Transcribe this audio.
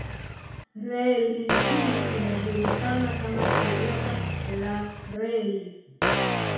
Reli hii inajulikana kama shirika la reli